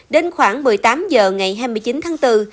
đến khoảng một mươi tám h ngày hai mươi chín tháng bốn